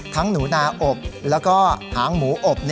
หนูนาอบแล้วก็หางหมูอบ